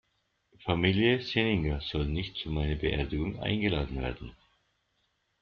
Familie Senninger soll nicht zu meiner Beerdigung eingeladen werden.